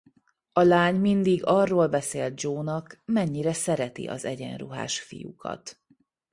A lány mindig arról beszélt Joe-nak mennyire szereti az egyenruhás fiúkat.